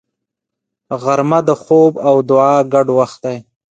غرمه د خوب او دعا ګډ وخت دی